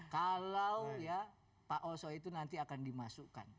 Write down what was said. kalau ya pak oso itu nanti akan dimasukkan